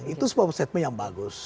itu sebuah statement yang bagus